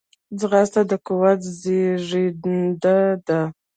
ځغاسته د قوت زیږنده ده